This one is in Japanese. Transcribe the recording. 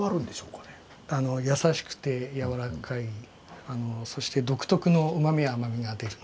やさしくてやわらかいそして独特のうまみや甘みが出るんです。